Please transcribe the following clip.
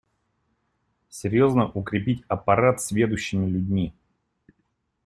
Серьезно укрепить аппарат сведущими людьми.